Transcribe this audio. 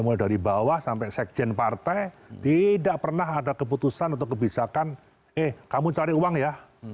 mulai dari bawah sampai sekjen partai tidak pernah ada keputusan atau kebijakan eh kamu cari uang ya